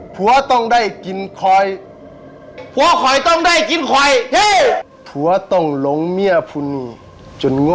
ผัวคอยต้องได้กินคอย